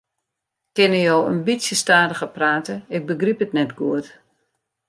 Kinne jo in bytsje stadiger prate, ik begryp it net goed.